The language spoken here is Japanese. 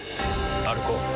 歩こう。